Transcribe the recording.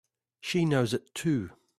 She knows it too!